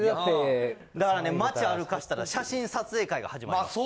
だからね街歩かしたら写真撮影会が始まります。